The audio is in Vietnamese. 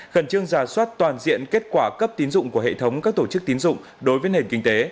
khẩn trương giả soát toàn diện kết quả cấp tín dụng của hệ thống các tổ chức tín dụng đối với nền kinh tế